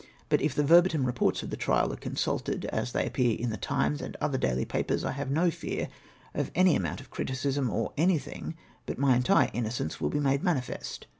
But if the verbatim reports of the trial, are consulted, as they appear in the Times and other daily papers, I have no fear of any amount of criticism, or that anything but my entire innocence win be made manifest.